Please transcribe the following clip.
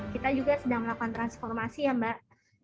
kita juga sedang melakukan transformasi ya mbak